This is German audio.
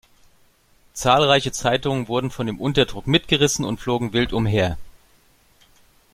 Zahlreiche Zeitungen wurden von dem Unterdruck mitgerissen und flogen wild umher.